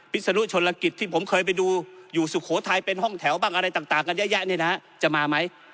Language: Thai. ศนุชนลกิจที่ผมเคยไปดูอยู่สุโขทัยเป็นห้องแถวบ้างอะไรต่างกันเยอะแยะเนี่ยนะจะมาไหม